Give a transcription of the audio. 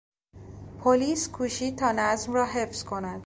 پلیس کوشید تا نظم را حفظ کند.